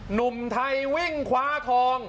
หนุ่มไทยวิ่งคว้าทอง